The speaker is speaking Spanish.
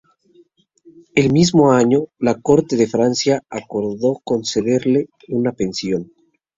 El mismo año, la corte de Francia acordó concederle una pensión.